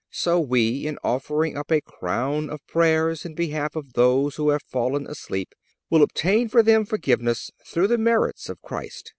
So we, in offering up a crown of prayers in behalf of those who have fallen asleep, will obtain for them forgiveness through the merits of Christ."